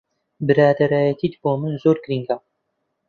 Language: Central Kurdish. برادەرایەتیت بۆ من زۆر گرنگە.